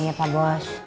iya pak bos